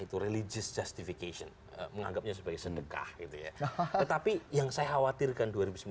itu religious justification menganggapnya sebagai sedekah gitu ya tetapi yang saya khawatirkan dua ribu sembilan belas